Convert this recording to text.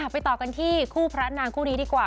ไปต่อกันที่คู่พระนางคู่นี้ดีกว่า